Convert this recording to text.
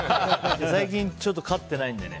最近、ちょっと勝ってないんでね。